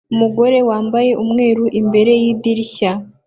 Umugore wambaye umweru imbere yidirishya